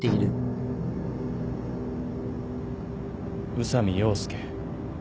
宇佐美洋介。